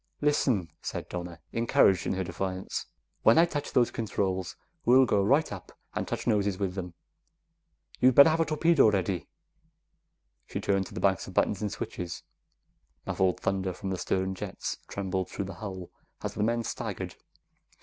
"Listen," said Donna, encouraged in her defiance, "when I touch those controls, we'll go right up and touch noses with them. You'd better have a torpedo ready!" She turned to the banks of buttons and switches. Muffled thunder from the stern jets trembled through the hull as the men staggered.